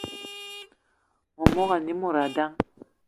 Memogo ane mod dang